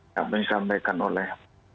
yang disampaikan oleh